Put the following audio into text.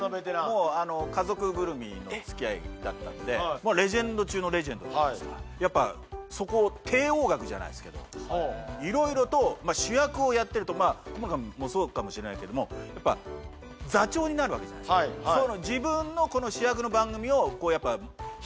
もう家族ぐるみの付き合いだったのでレジェンド中のレジェンドじゃないですかやっぱそこ帝王学じゃないですけど色々と主役をやってると小村君もそうかもしれないけどやっぱ座長になるわけじゃないですかへえ知りたい